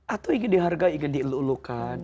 atau ingin dihargai ingin dielulukan